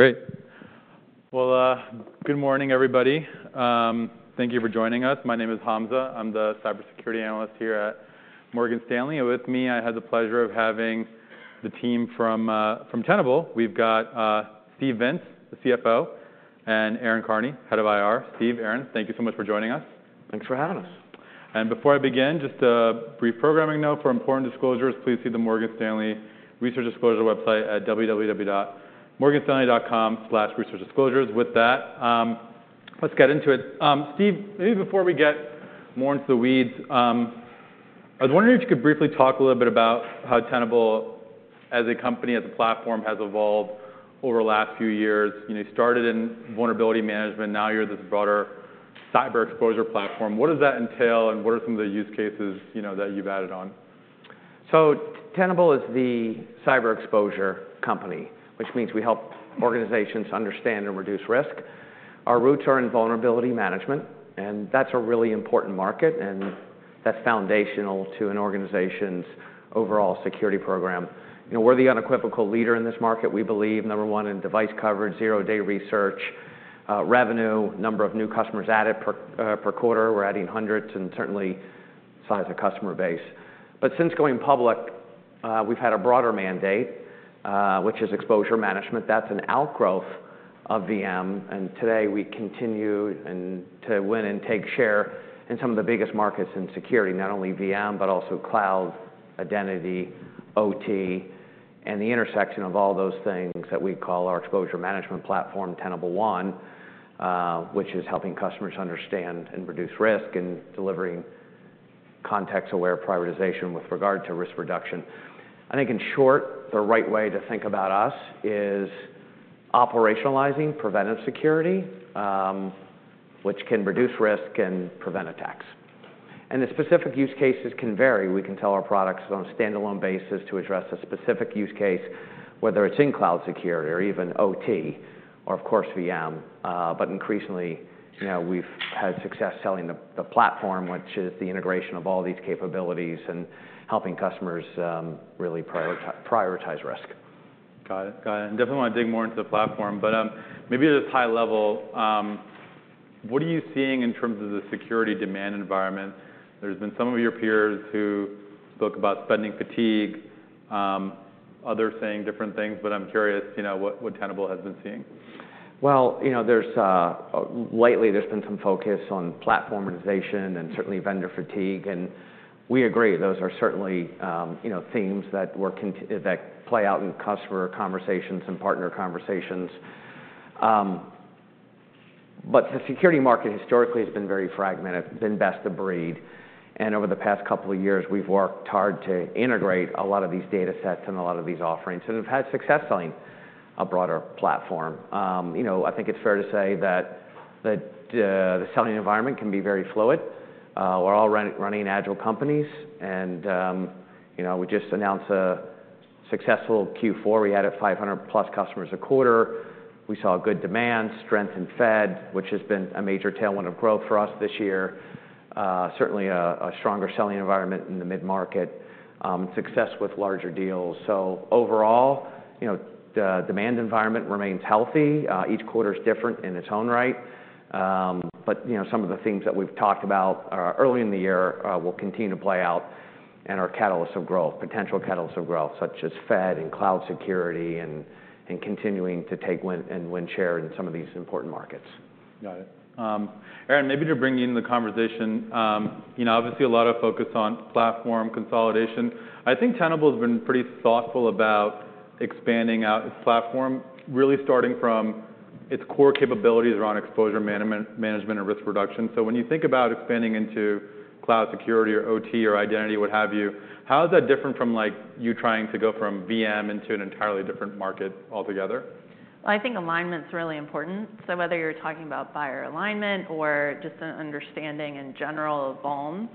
Great! Well, good morning, everybody. Thank you for joining us. My name is Hamza. I'm the cybersecurity analyst here at Morgan Stanley, and with me, I have the pleasure of having the team from Tenable. We've got Steve Vintz, the CFO, and Erin Karney, head of IR. Steve, Erin, thank you so much for joining us. Thanks for having us. And before I begin, just a brief programming note. For important disclosures, please see the Morgan Stanley Research Disclosure website at www.morganstanley.com/researchdisclosures. With that, let's get into it. Steve, maybe before we get more into the weeds, I was wondering if you could briefly talk a little bit about how Tenable as a company, as a platform, has evolved over the last few years. You know, you started in vulnerability management, now you're this broader cyber exposure platform. What does that entail, and what are some of the use cases, you know, that you've added on? So Tenable is the cyber exposure company, which means we help organizations understand and reduce risk. Our roots are in vulnerability management, and that's a really important market, and that's foundational to an organization's overall security program. You know, we're the unequivocal leader in this market. We believe, number one in device coverage, zero-day research, revenue, number of new customers added per quarter, we're adding hundreds, and certainly, size of customer base. But since going public, we've had a broader mandate, which is exposure management. That's an outgrowth of VM, and today we continue and to win and take share in some of the biggest markets in security, not only VM, but also cloud, identity, OT, and the intersection of all those things that we call our exposure management platform, Tenable One, which is helping customers understand and reduce risk and delivering context-aware prioritization with regard to risk reduction. I think, in short, the right way to think about us is operationalizing preventive security, which can reduce risk and prevent attacks. The specific use cases can vary. We can sell our products on a standalone basis to address a specific use case, whether it's in cloud security or even OT or, of course, VM. But increasingly, you know, we've had success selling the platform, which is the integration of all these capabilities and helping customers really prioritize risk. Got it. Got it. And definitely want to dig more into the platform, but, maybe just high level, what are you seeing in terms of the security demand environment? There's been some of your peers who spoke about spending fatigue, others saying different things, but I'm curious, you know, what, what Tenable has been seeing. Well, you know, lately, there's been some focus on platformization and certainly vendor fatigue, and we agree, those are certainly, you know, themes that play out in customer conversations and partner conversations. But the security market historically has been very fragmented, been best of breed, and over the past couple of years, we've worked hard to integrate a lot of these datasets and a lot of these offerings, and have had success selling a broader platform. You know, I think it's fair to say that the selling environment can be very fluid. We're all running agile companies and, you know, we just announced a successful Q4. We added 500 plus customers a quarter. We saw good demand, strength in Fed, which has been a major tailwind of growth for us this year. Certainly a stronger selling environment in the mid-market, success with larger deals. So overall, you know, the demand environment remains healthy. Each quarter is different in its own right. But, you know, some of the themes that we've talked about early in the year will continue to play out and are catalysts of growth, potential catalysts of growth, such as FedEx and Cloud Security and continuing to take wins and win share in some of these important markets. Got it. Erin, maybe to bring you into the conversation, you know, obviously a lot of focus on platform consolidation. I think Tenable has been pretty thoughtful about expanding out its platform, really starting from its core capabilities around exposure management and risk reduction. So when you think about expanding into cloud security or OT or identity, what have you, how is that different from, like, you trying to go from VM into an entirely different market altogether? Well, I think alignment's really important. So whether you're talking about buyer alignment or just an understanding in general of vulns.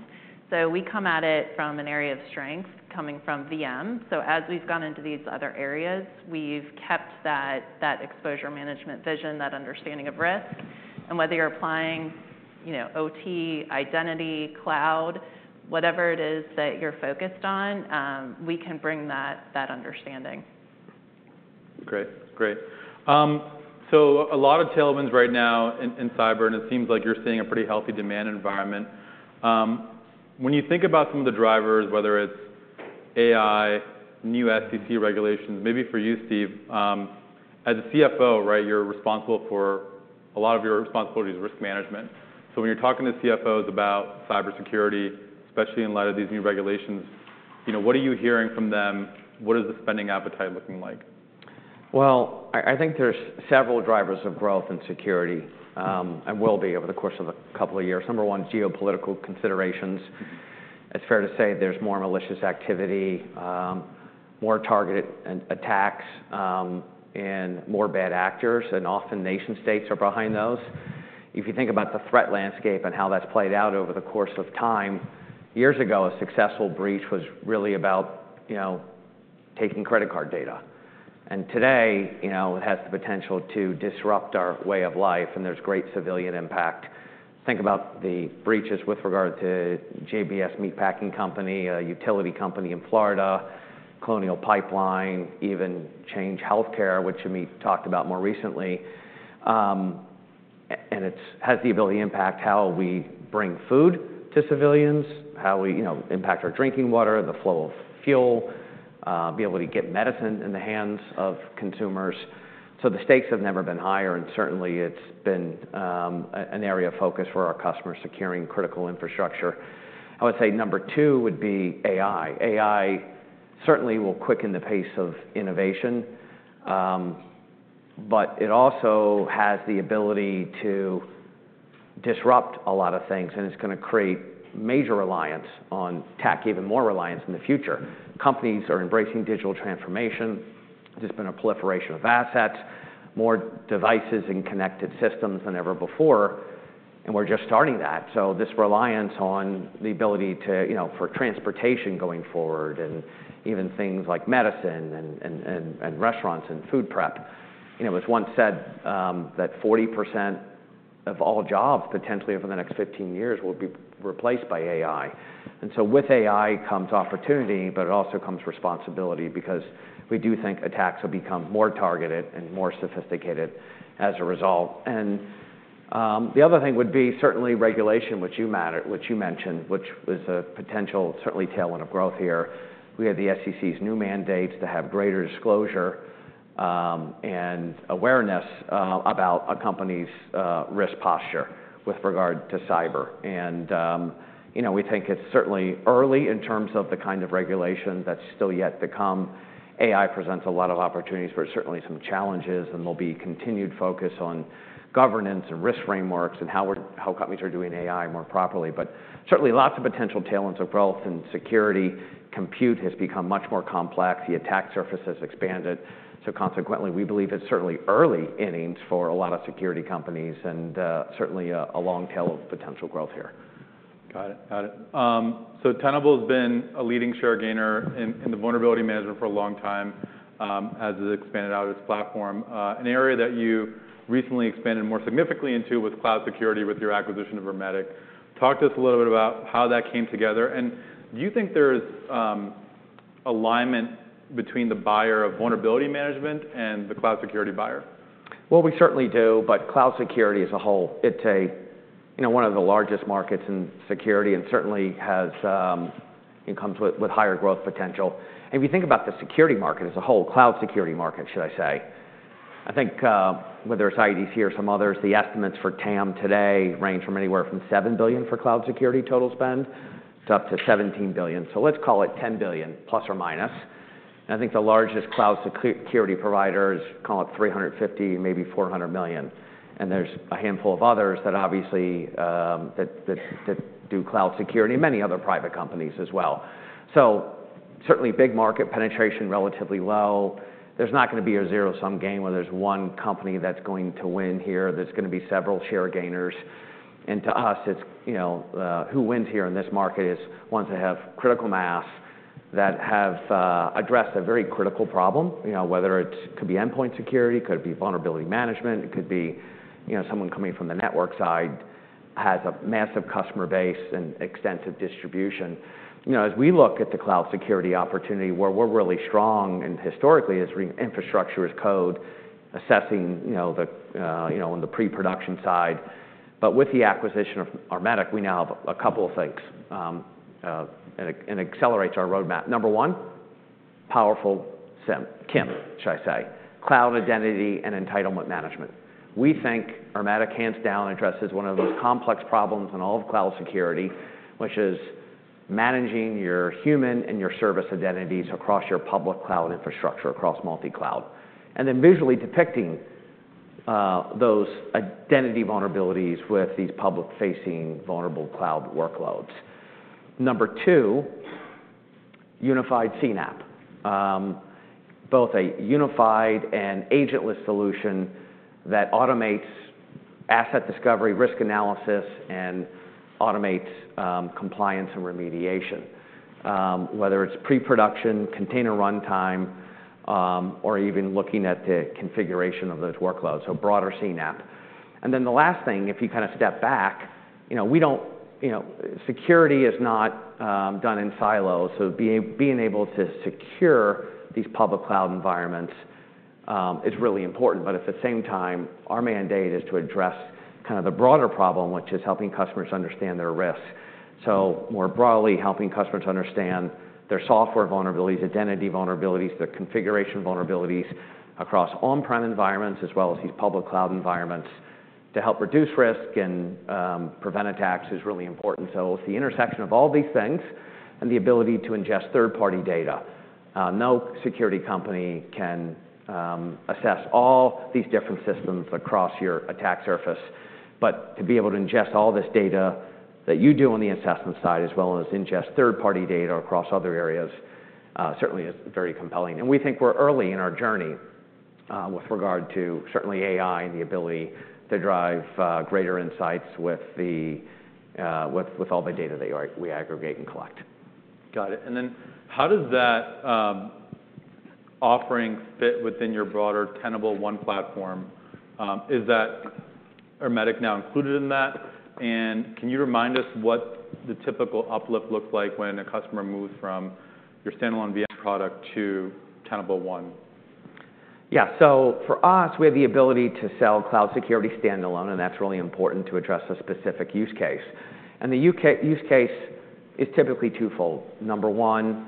So we come at it from an area of strength, coming from VM. So as we've gone into these other areas, we've kept that, that exposure management vision, that understanding of risk, and whether you're applying, you know, OT, identity, cloud, whatever it is that you're focused on, we can bring that, that understanding. Great. Great. So a lot of tailwinds right now in cyber, and it seems like you're seeing a pretty healthy demand environment. When you think about some of the drivers, whether it's AI, new SEC regulations, maybe for you, Steve, as a CFO, right, you're responsible for... A lot of your responsibility is risk management. So when you're talking to CFOs about cybersecurity, especially in light of these new regulations, you know, what are you hearing from them? What is the spending appetite looking like? Well, I think there's several drivers of growth in security, and will be over the course of a couple of years. Number one, geopolitical considerations. It's fair to say there's more malicious activity, more targeted and attacks, and more bad actors, and often nation-states are behind those. If you think about the threat landscape and how that's played out over the course of time, years ago, a successful breach was really about, you know, taking credit card data, and today, you know, it has the potential to disrupt our way of life, and there's great civilian impact.... think about the breaches with regard to JBS Meat Packing Company, a utility company in Florida, Colonial Pipeline, even Change Healthcare, which Amit talked about more recently. And it has the ability to impact how we bring food to civilians, how we, you know, impact our drinking water, the flow of fuel, be able to get medicine in the hands of consumers. So the stakes have never been higher, and certainly it's been an area of focus for our customers, securing critical infrastructure. I would say number two would be AI. AI certainly will quicken the pace of innovation, but it also has the ability to disrupt a lot of things, and it's gonna create major reliance on tech, even more reliance in the future. Companies are embracing digital transformation. There's been a proliferation of assets, more devices and connected systems than ever before, and we're just starting that. So this reliance on the ability to, you know, for transportation going forward, and even things like medicine and restaurants and food prep. You know, it was once said that 40% of all jobs, potentially over the next 15 years, will be replaced by AI. And so with AI comes opportunity, but it also comes responsibility, because we do think attacks will become more targeted and more sophisticated as a result. And the other thing would be certainly regulation, which you mentioned, which is a potential, certainly tailwind of growth here. We have the SEC's new mandates to have greater disclosure and awareness about a company's risk posture with regard to cyber. And you know, we think it's certainly early in terms of the kind of regulation that's still yet to come. AI presents a lot of opportunities, but certainly some challenges, and there'll be continued focus on governance and risk frameworks and how companies are doing AI more properly. But certainly lots of potential tailwinds of growth and security. Compute has become much more complex. The attack surface has expanded, so consequently, we believe it's certainly early innings for a lot of security companies and certainly a long tail of potential growth here. Got it. Got it. So Tenable's been a leading share gainer in the vulnerability management for a long time, as it expanded out its platform. An area that you recently expanded more significantly into with cloud security, with your acquisition of Ermetic. Talk to us a little bit about how that came together, and do you think there is alignment between the buyer of vulnerability management and the cloud security buyer? Well, we certainly do, but Cloud Security as a whole, it's a, you know, one of the largest markets in security and certainly has, it comes with, with higher growth potential. If you think about the security market as a whole, Cloud Security market, should I say, I think, whether it's IDC here or some others, the estimates for TAM today range from anywhere from $7 billion for Cloud Security total spend to up to $17 billion. So let's call it $10 billion, plus or minus. I think the largest Cloud Security providers call it $350 million-$400 million, and there's a handful of others that obviously, that do Cloud Security, many other private companies as well. So certainly big market penetration, relatively low. There's not gonna be a zero-sum game where there's one company that's going to win here. There's gonna be several share gainers, and to us, it's, you know, who wins here in this market is ones that have critical mass, that have addressed a very critical problem, you know, whether it's could be endpoint security, could be vulnerability management, it could be, you know, someone coming from the network side, has a massive customer base and extensive distribution. You know, as we look at the cloud security opportunity, where we're really strong and historically is our infrastructure as code, assessing, you know, the, you know, on the pre-production side. But with the acquisition of Ermetic, we now have a couple of things, and accelerates our roadmap. Number one, powerful CIEM, CIEM, should I say, cloud identity and entitlement management. We think Ermetic, hands down, addresses one of those complex problems in all of cloud security, which is managing your human and your service identities across your public cloud infrastructure, across multi-cloud, and then visually detecting, those identity vulnerabilities with these public-facing, vulnerable cloud workloads. Number two, unified CNAPP. Both a unified and agentless solution that automates asset discovery, risk analysis, and automates, compliance and remediation, whether it's pre-production, container runtime, or even looking at the configuration of those workloads, so broader CNAPP. And then the last thing, if you kind of step back, you know, we don't... You know, security is not, done in silos, so being able to secure these public cloud environments, is really important. But at the same time, our mandate is to address kind of the broader problem, which is helping customers understand their risks. So more broadly, helping customers understand their software vulnerabilities, identity vulnerabilities, their configuration vulnerabilities across on-prem environments, as well as these public cloud environments, to help reduce risk and prevent attacks is really important. So it's the intersection of all these things and the ability to ingest third-party data. No security company can assess all these different systems across your attack surface, but to be able to ingest all this data that you do on the assessment side, as well as ingest third-party data across other areas, certainly is very compelling. And we think we're early in our journey, with regard to certainly AI and the ability to drive greater insights with all the data that we aggregate and collect. Got it. And then how does that offering fit within your broader Tenable One platform, is that, are Ermetic now included in that? And can you remind us what the typical uplift looks like when a customer moves from your standalone VM product to Tenable One? Yeah. So for us, we have the ability to sell cloud security standalone, and that's really important to address a specific use case. The use case is typically twofold. Number one,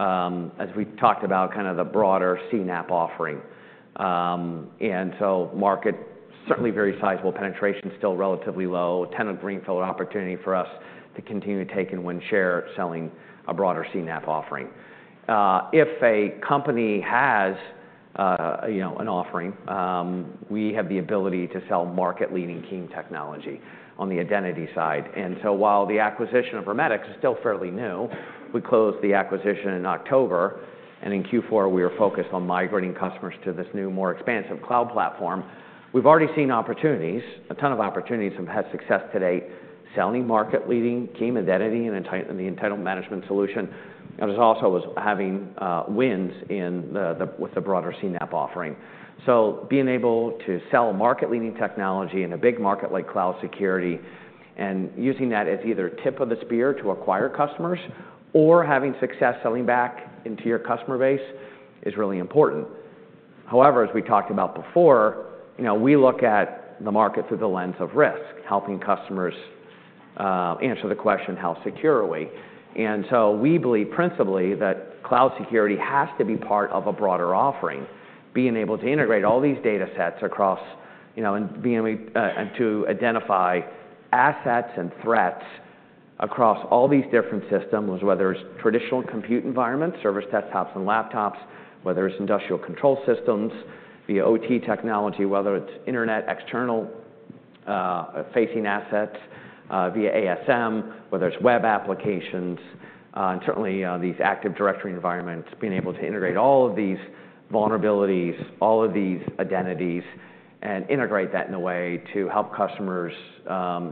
as we talked about, kind of the broader CNAPP offering. And so market, certainly very sizable, penetration is still relatively low. A ton of greenfield opportunity for us to continue to take and win share, selling a broader CNAPP offering. If a company has, you know, an offering, we have the ability to sell market-leading key technology on the identity side. And so while the acquisition of Ermetic is still fairly new, we closed the acquisition in October, and in Q4, we are focused on migrating customers to this new, more expansive cloud platform. We've already seen opportunities, a ton of opportunities, and have had success to date, selling market-leading key identity and the entitlement management solution, and also having wins with the broader CNAPP offering. So being able to sell market-leading technology in a big market like cloud security, and using that as either tip of the spear to acquire customers or having success selling back into your customer base, is really important. However, as we talked about before, you know, we look at the market through the lens of risk, helping customers answer the question: How secure are we? And so we believe, principally, that cloud security has to be part of a broader offering. Being able to integrate all these data sets across, you know, and being able to identify assets and threats across all these different systems, whether it's traditional compute environments, servers, desktops and laptops, whether it's industrial control systems via OT technology, whether it's internet external facing assets via ASM, whether it's web applications and certainly these Active Directory environments, being able to integrate all of these vulnerabilities, all of these identities, and integrate that in a way to help customers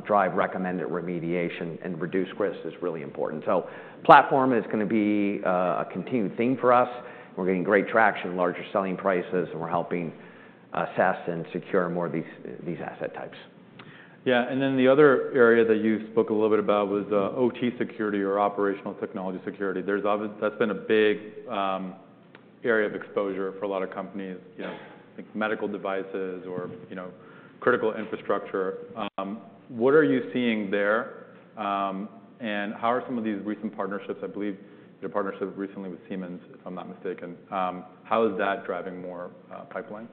drive recommended remediation and reduce risk, is really important. So platform is gonna be a continued theme for us. We're getting great traction, larger selling prices, and we're helping assess and secure more of these asset types. Yeah, and then the other area that you spoke a little bit about was OT security or operational technology security. There's obviously that's been a big area of exposure for a lot of companies, you know, think medical devices or, you know, critical infrastructure. What are you seeing there? And how are some of these recent partnerships? I believe your partnership recently with Siemens, if I'm not mistaken, how is that driving more pipeline?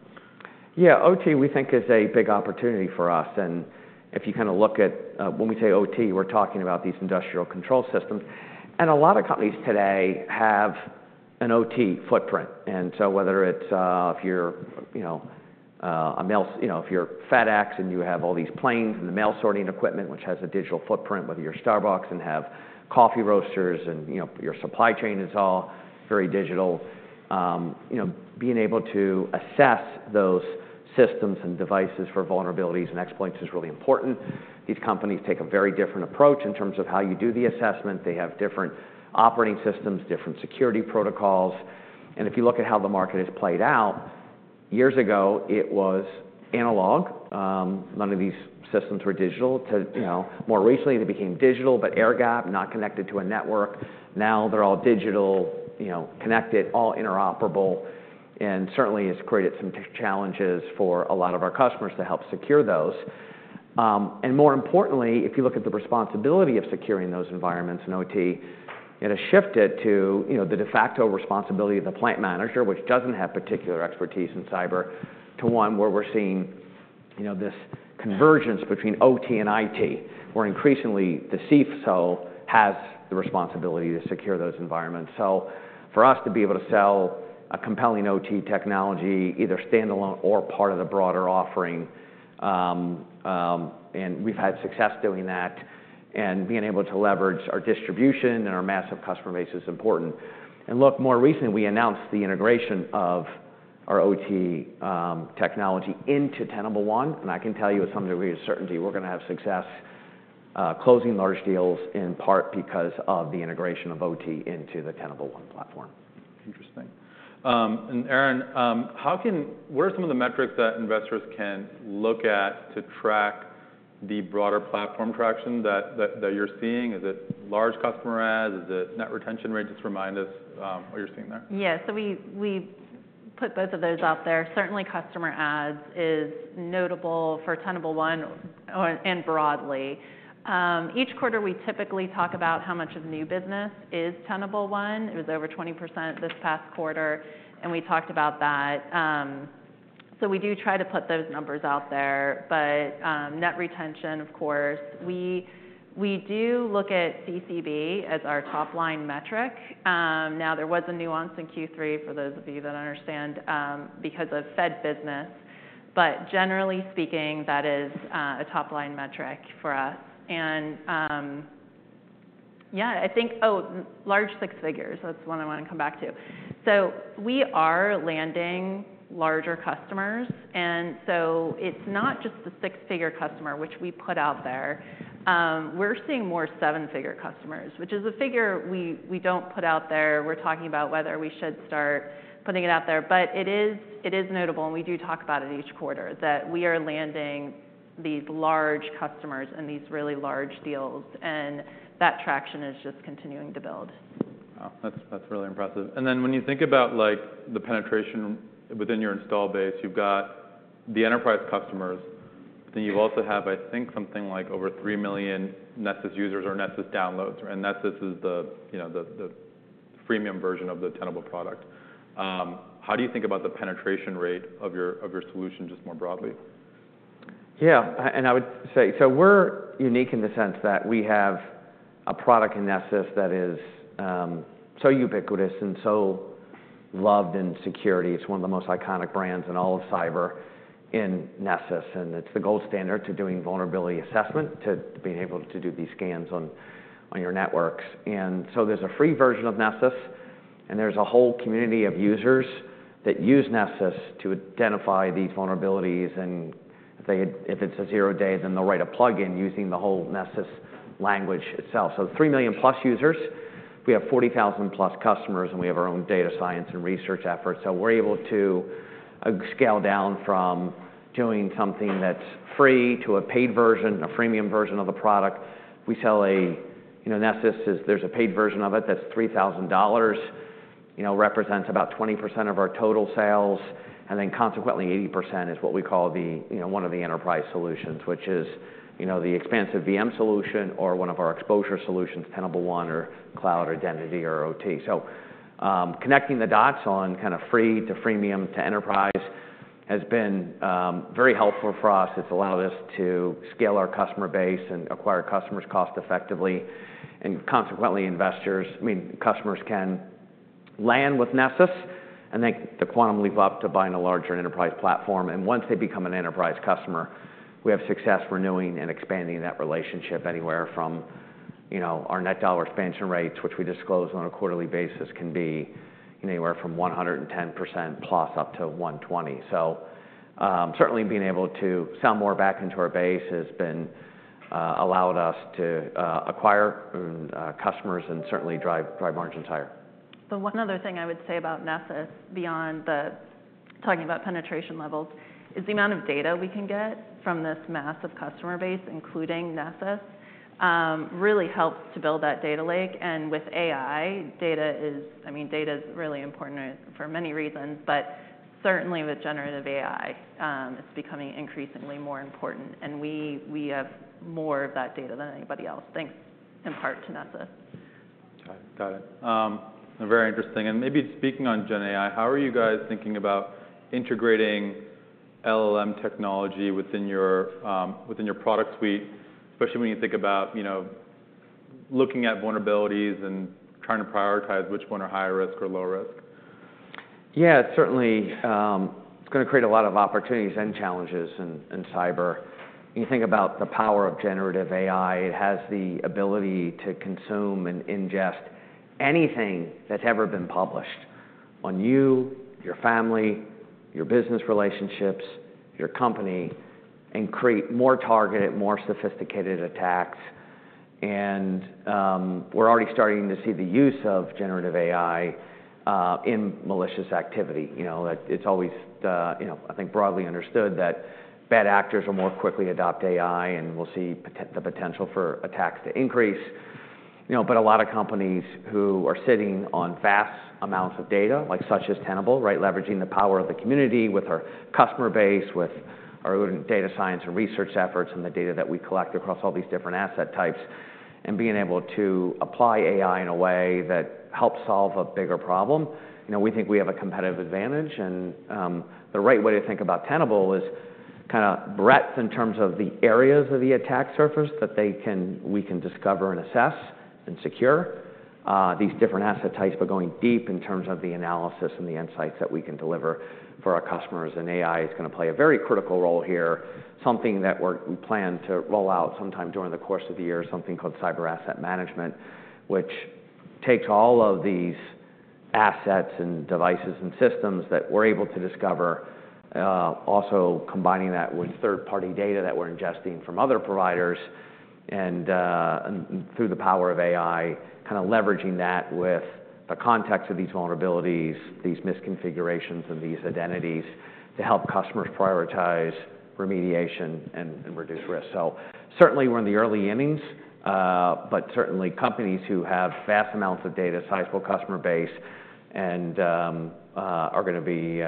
Yeah. OT, we think, is a big opportunity for us, and if you kind of look at. When we say OT, we're talking about these industrial control systems. A lot of companies today have an OT footprint, and so whether it's, if you're, you know, you know, if you're FedEx and you have all these planes and the mail sorting equipment, which has a digital footprint, whether you're Starbucks and have coffee roasters and, you know, your supply chain is all very digital, you know, being able to assess those systems and devices for vulnerabilities and exploits is really important. These companies take a very different approach in terms of how you do the assessment. They have different operating systems, different security protocols, and if you look at how the market has played out, years ago, it was analog. None of these systems were digital. You know, more recently, they became digital, but air-gap, not connected to a network. Now they're all digital, you know, connected, all interoperable, and certainly has created some challenges for a lot of our customers to help secure those. More importantly, if you look at the responsibility of securing those environments in OT, it has shifted to, you know, the de facto responsibility of the plant manager, which doesn't have particular expertise in cyber, to one where we're seeing, you know, this convergence between OT and IT, where increasingly the CISO has the responsibility to secure those environments. So for us to be able to sell a compelling OT technology, either standalone or part of the broader offering, and we've had success doing that, and being able to leverage our distribution and our massive customer base is important. And look, more recently, we announced the integration of our OT technology into Tenable One, and I can tell you with some degree of certainty, we're gonna have success closing large deals, in part because of the integration of OT into the Tenable One platform. Interesting. And Erin, how can—what are some of the metrics that investors can look at to track the broader platform traction that you're seeing? Is it large customer adds? Is it net retention rates? Just remind us, what you're seeing there. Yeah. So we put both of those out there. Certainly, customer adds is notable for Tenable One and broadly. Each quarter, we typically talk about how much of new business is Tenable One. It was over 20% this past quarter, and we talked about that. So we do try to put those numbers out there. But net retention, of course, we do look at CCB as our top-line metric. Now, there was a nuance in Q3, for those of you that understand, because of FedEx business, but generally speaking, that is a top-line metric for us. And yeah, I think... Oh, large six figures, that's the one I want to come back to. So we are landing larger customers, and so it's not just the six-figure customer, which we put out there. We're seeing more seven-figure customers, which is a figure we don't put out there. We're talking about whether we should start putting it out there, but it is notable, and we do talk about it each quarter, that we are landing these large customers and these really large deals, and that traction is just continuing to build. Wow, that's, that's really impressive. And then when you think about, like, the penetration within your install base, you've got the enterprise customers, then you also have, I think, something like over 3 million Nessus users or Nessus downloads, and Nessus is the, you know, the, the freemium version of the Tenable product. How do you think about the penetration rate of your, of your solution, just more broadly? Yeah, and I would say, so we're unique in the sense that we have a product in Nessus that is, so ubiquitous and so loved in security. It's one of the most iconic brands in all of cyber in Nessus, and it's the gold standard to doing vulnerability assessment, to being able to do these scans on your networks. And so there's a free version of Nessus, and there's a whole community of users that use Nessus to identify these vulnerabilities, and they, if it's a zero-day, then they'll write a plugin using the whole Nessus language itself. So 3 million-plus users, we have 40,000-plus customers, and we have our own data science and research efforts. So we're able to scale down from doing something that's free to a paid version, a freemium version of the product. We sell a... You know, Nessus is, there's a paid version of it that's $3,000, you know, represents about 20% of our total sales, and then consequently, 80% is what we call the, you know, one of the enterprise solutions, which is, you know, the expansive VM solution or one of our exposure solutions, Tenable One or Cloud, Identity or OT. So, connecting the dots on kind of free to freemium to enterprise has been very helpful for us. It's allowed us to scale our customer base and acquire customers cost-effectively, and consequently, investors, I mean, customers can land with Nessus, and then the quantum leap up to buying a larger enterprise platform. Once they become an enterprise customer, we have success renewing and expanding that relationship anywhere from, you know, our net dollar expansion rates, which we disclose on a quarterly basis, can be anywhere from 110%+ -120%. So, certainly being able to sell more back into our base has been allowed us to acquire customers and certainly drive margins higher. So one other thing I would say about Nessus, beyond the talking about penetration levels, is the amount of data we can get from this massive customer base, including Nessus, really helps to build that data lake. And with AI, data is... I mean, data is really important for many reasons, but certainly with generative AI, it's becoming increasingly more important, and we, we have more of that data than anybody else, thanks in part to Nessus. Got it. Got it. Very interesting. Maybe speaking on Gen AI, how are you guys thinking about integrating LLM technology within your product suite, especially when you think about, you know, looking at vulnerabilities and trying to prioritize which one are high risk or low risk? Yeah, it's certainly, it's gonna create a lot of opportunities and challenges in, in cyber. You think about the power of generative AI, it has the ability to consume and ingest anything that's ever been published on you, your family, your business relationships, your company, and create more targeted, more sophisticated attacks. And, we're already starting to see the use of generative AI in malicious activity. You know, it, it's always, you know, I think broadly understood that bad actors will more quickly adopt AI, and we'll see the potential for attacks to increase. You know, but a lot of companies who are sitting on vast amounts of data, like such as Tenable, right? Leveraging the power of the community with our customer base, with our own data science and research efforts, and the data that we collect across all these different asset types, and being able to apply AI in a way that helps solve a bigger problem, you know, we think we have a competitive advantage. And the right way to think about Tenable is kinda breadth in terms of the areas of the attack surface that we can discover and assess and secure these different asset types, but going deep in terms of the analysis and the insights that we can deliver for our customers. AI is gonna play a very critical role here, something that we plan to roll out sometime during the course of the year, something called Cyber Asset Management, which takes all of these assets and devices and systems that we're able to discover, also combining that with third-party data that we're ingesting from other providers, and through the power of AI, kinda leveraging that with the context of these vulnerabilities, these misconfigurations and these identities to help customers prioritize remediation and reduce risk. Certainly, we're in the early innings, but certainly companies who have vast amounts of data, sizable customer base, and are gonna be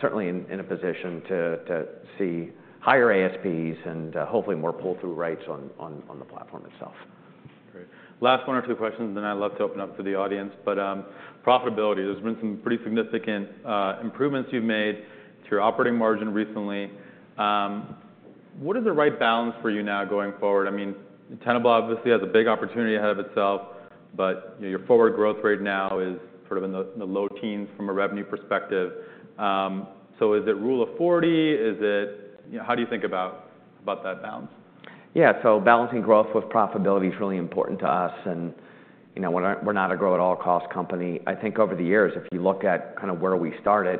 certainly in a position to see higher ASPs and hopefully more pull-through rates on the platform itself. Great. Last one or two questions, then I'd love to open up to the audience. But, profitability, there's been some pretty significant improvements you've made to your operating margin recently. What is the right balance for you now going forward? I mean, Tenable obviously has a big opportunity ahead of itself, but, you know, your forward growth rate now is sort of in the, the low teens from a revenue perspective. So is it rule of 40? Is it... You know, how do you think about, about that balance? Yeah, so balancing growth with profitability is really important to us and, you know, we're not, we're not a grow-at-all-costs company. I think over the years, if you look at kind of where we started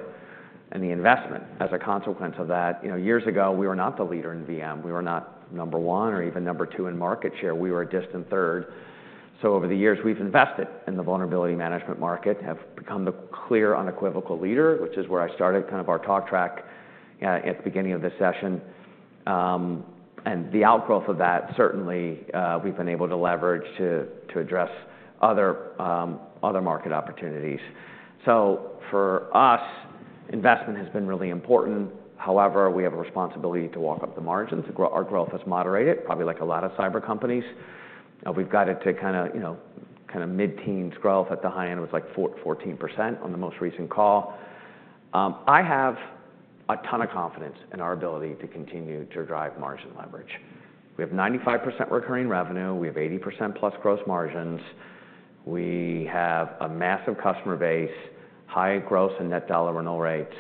and the investment as a consequence of that, you know, years ago, we were not the leader in VM. We were not number one or even number two in market share. We were a distant third. So over the years, we've invested in the vulnerability management market, have become the clear, unequivocal leader, which is where I started, kind of our talk track at the beginning of this session. And the outgrowth of that, certainly, we've been able to leverage to, to address other, other market opportunities. So for us, investment has been really important. However, we have a responsibility to walk up the margins. Our growth has moderated, probably like a lot of cyber companies. We've got it to kinda, you know, kinda mid-teens growth. At the high end, it was, like, 44% on the most recent call. I have a ton of confidence in our ability to continue to drive margin leverage. We have 95% recurring revenue. We have 80% plus gross margins. We have a massive customer base, high gross and net dollar renewal rates.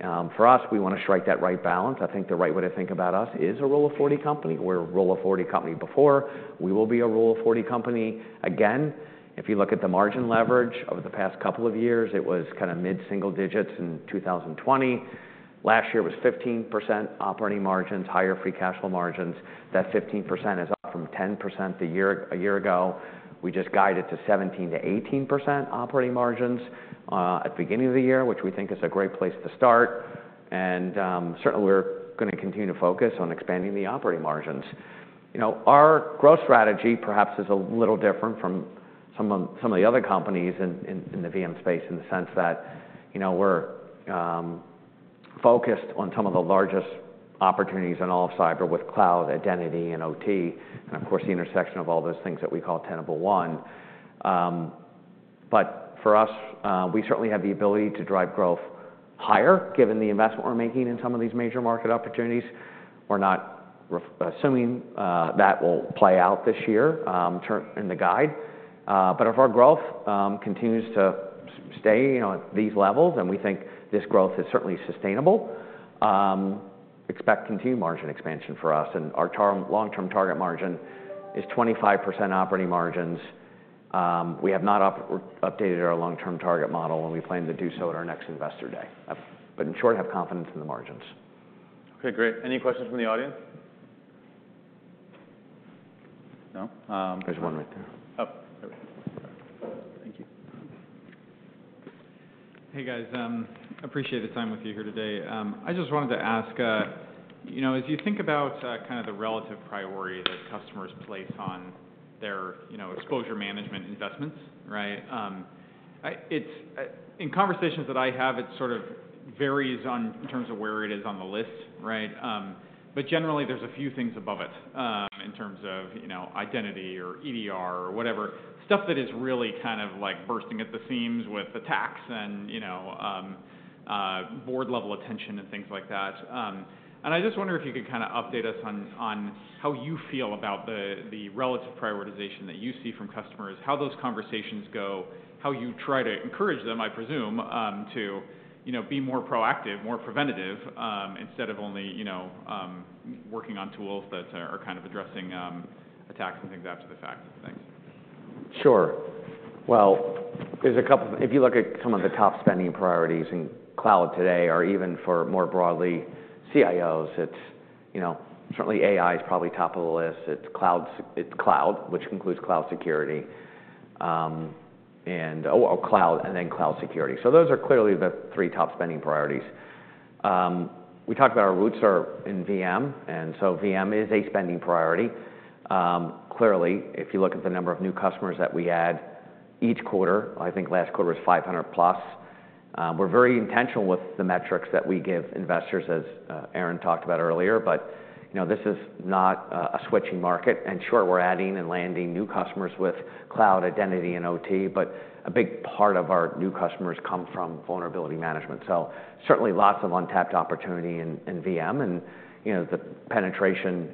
For us, we want to strike that right balance. I think the right way to think about us is a rule of 40 company, or a rule of 40 company before. We will be a rule of 40 company again. If you look at the margin leverage over the past couple of years, it was kinda mid-single digits in 2020. Last year, it was 15% operating margins, higher free cash flow margins. That 15% is up from 10% a year, a year ago. We just guided to 17%-18% operating margins at the beginning of the year, which we think is a great place to start. Certainly, we're gonna continue to focus on expanding the operating margins. You know, our growth strategy, perhaps, is a little different from some of, some of the other companies in, in, in the VM space, in the sense that, you know, we're focused on some of the largest opportunities in all of cyber with cloud, identity, and OT, and of course, the intersection of all those things that we call Tenable One. But for us, we certainly have the ability to drive growth higher, given the investment we're making in some of these major market opportunities. We're not assuming that will play out this year in the guide. But if our growth continues to stay, you know, at these levels, and we think this growth is certainly sustainable, expect continued margin expansion for us. Our long-term target margin is 25% operating margins. We have not updated our long-term target model, and we plan to do so at our next investor day. But in short, I have confidence in the margins. Okay, great. Any questions from the audience? No- There's one right there. Oh, okay. Thank you. Hey, guys. Appreciate the time with you here today. I just wanted to ask, you know, as you think about, kind of the relative priority that customers place on their, you know, exposure management investments, right? It's in conversations that I have, it sort of varies on in terms of where it is on the list, right? But generally, there's a few things above it, in terms of, you know, identity or EDR or whatever. Stuff that is really kind of, like, bursting at the seams with attacks and, you know, board-level attention, and things like that. And I just wonder if you could kinda update us on how you feel about the relative prioritization that you see from customers, how those conversations go, how you try to encourage them, I presume, to, you know, be more proactive, more preventative, instead of only, you know, working on tools that are kind of addressing attacks and things after the fact. Thanks. Sure. Well, there's a couple. If you look at some of the top spending priorities in cloud today or even for, more broadly, CIOs, it's, you know. Certainly, AI is probably top of the list. It's cloud, which includes cloud security, and or, or cloud, and then cloud security. So those are clearly the three top spending priorities. We talked about our roots are in VM, and so VM is a spending priority. Clearly, if you look at the number of new customers that we add each quarter, I think last quarter was 500+. We're very intentional with the metrics that we give investors, as Erin talked about earlier, but, you know, this is not a switching market. Sure, we're adding and landing new customers with cloud, identity, and OT, but a big part of our new customers come from vulnerability management. So certainly lots of untapped opportunity in VM and, you know, the penetration,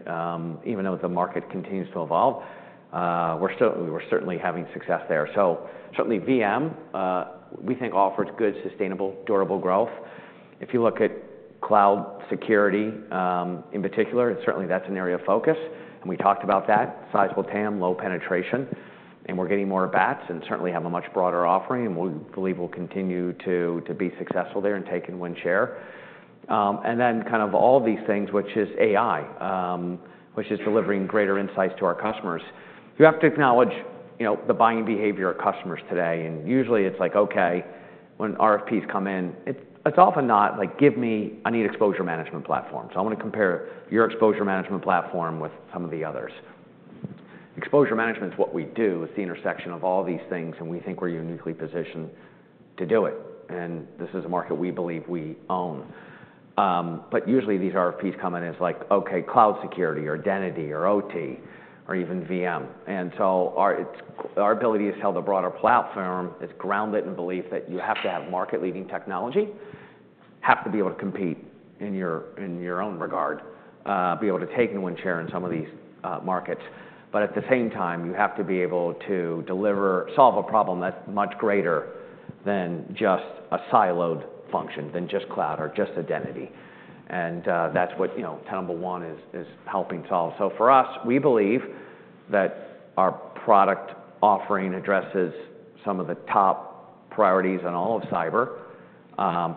even though the market continues to evolve, we're certainly having success there. So certainly VM we think offers good, sustainable, durable growth. If you look at cloud security in particular, certainly that's an area of focus, and we talked about that: sizable TAM, low penetration, and we're getting more at bats, and certainly have a much broader offering, and we believe we'll continue to be successful there and take and win share. And then kind of all these things, which is AI, which is delivering greater insights to our customers. You have to acknowledge, you know, the buying behavior of customers today, and usually, it's like, okay, when RFPs come in, it's often not like: Give me... I need exposure management platforms. I wanna compare your exposure management platform with some of the others. Exposure management is what we do. It's the intersection of all these things, and we think we're uniquely positioned to do it, and this is a market we believe we own. But usually, these RFPs come in as like, okay, cloud security or identity or OT or even VM. And so our ability to sell the broader platform is grounded in belief that you have to have market-leading technology, have to be able to compete in your, in your own regard, be able to take and win share in some of these markets. But at the same time, you have to be able to solve a problem that's much greater than just a siloed function, than just cloud or just identity. And that's what, you know, Tenable One is, is helping solve. So for us, we believe that our product offering addresses some of the top priorities in all of cyber,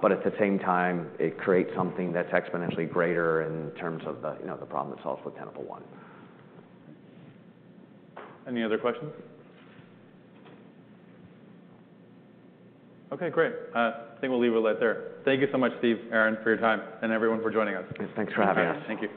but at the same time, it creates something that's exponentially greater in terms of the, you know, the problem it solves with Tenable One. Any other questions? Okay, great. I think we'll leave it right there. Thank you so much, Steve, Erin, for your time, and everyone for joining us. Thanks for having us. Thank you.